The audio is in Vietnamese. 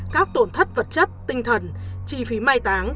các tổn thất vật chất tinh thần chi phí mai táng